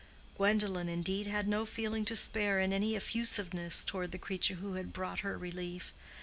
Gwendolen, indeed, had no feeling to spare in any effusiveness toward the creature who had brought her relief.